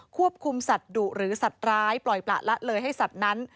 ควบคุมสัตว์ดุหรือสัตว์ร้ายปล่อยประละเลยให้สัตว์นั้น